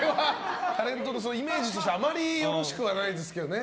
タレントのイメージとしてあまりよろしくはないですけどね。